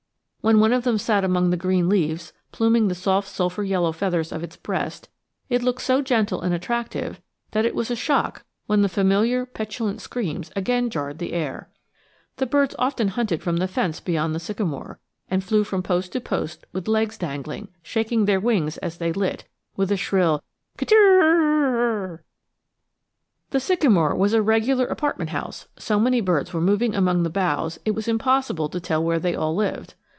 When one of them sat among the green leaves, pluming the soft sulphur yellow feathers of its breast, it looked so gentle and attractive that it was a shock when the familiar petulant screams again jarred the air. The birds often hunted from the fence beyond the sycamore, and flew from post to post with legs dangling, shaking their wings as they lit, with a shrill kit'r'r'r'r'. The sycamore was a regular apartment house; so many birds were moving among the boughs it was impossible to tell where they all lived.